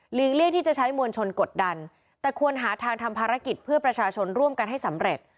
เลี่ยงที่จะใช้มวลชนกดดันแต่ควรหาทางทำภารกิจเพื่อประชาชนร่วมกันให้สำเร็จ